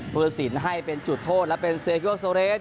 ผู้ตัดสินให้เป็นจุดโทษและเป็นเซโยโซเรส